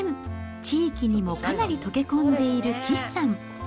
地域にもかなり溶け込んでいる岸さん。